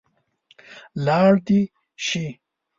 لاړ دې شي.